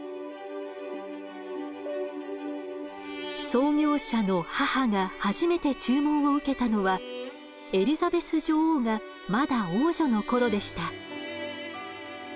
創業者の母が初めて注文を受けたのはエリザベス女王がまだ王女の頃でした。